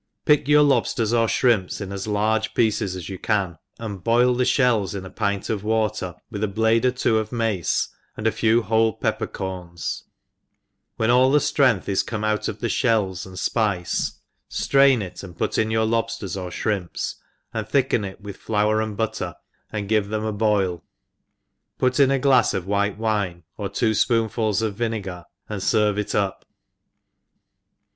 PICK your lobftew or 0inmps, in a€ large pieces as you can, and boil the (hells in a pint of water, with a blade or two of raacCi and a few whole pepper corns ; when all the ftrcngth is come out of the ihells and fpice^ flrain it, and put in your lobfters or fhr^njps, aad thicken it with flour and butter and give them a boi) v put in a glafs of white wine, or ^wo fpoonfuls of vinegar, and ferve it up.